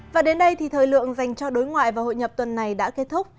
và đến đây thì thời lượng dành cho đối ngoại và hội nhập tuần này đã kết thúc